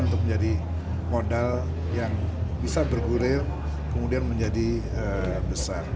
untuk menjadi modal yang bisa bergurir kemudian menjadi besar